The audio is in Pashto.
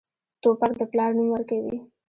توپک د پلار نوم ورکوي.